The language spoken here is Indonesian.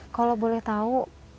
kalau boleh tahu